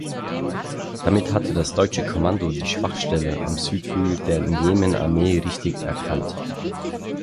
Damit hatte das deutsche Kommando die Schwachstelle am Südflügel der Njemen-Armee richtig erkannt.